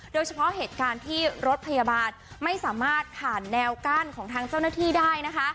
โดยเฉพาะเหตุการณ์ที่รถพยาบาลไม่สามารถผ่านแนวกั้นของทางเจ้าหน้าที่ได้นะคะ